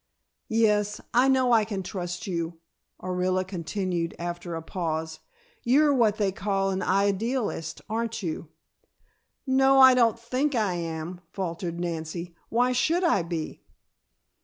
"Yes, I know I can trust you," Orilla continued after a pause. "You're what they call an idealist, aren't you?" "No, I don't think I am," faltered Nancy. "Why should I be?"